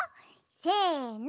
せの！